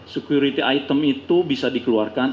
security item itu bisa dikeluarkan